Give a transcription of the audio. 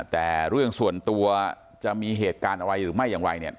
แต่เรื่องส่วนตัวจะมีเหตุการณ์อะไรหรือไม่อย่างไรเนี่ย